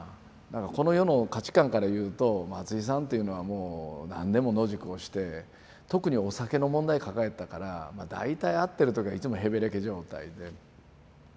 この世の価値観からいうと松井さんっていうのはもう何年も野宿をして特にお酒の問題抱えてたから大体会ってる時はいつもへべれけ状態で。